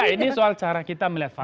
ini soal cara kita melihat fakta